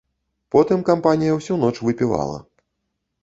Потым кампанія ўсю ноч выпівала.